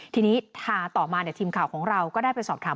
ทีนี้ต่อมาทีมข่าวของเราก็ได้ไปสอบถาม